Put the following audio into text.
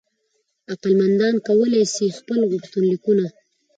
علاقمندان کولای سي خپل غوښتنلیکونه